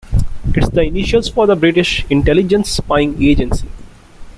It's the initials for the British intelligence spying agency.